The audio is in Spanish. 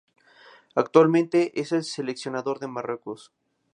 Actualmente es el seleccionador de Marruecos.